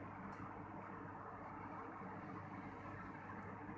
แต่ว่าจะเป็นแบบนี้